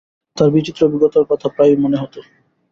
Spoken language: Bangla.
তাঁর বিচিত্র অভিজ্ঞতার কথা প্রায়ই মনে হত।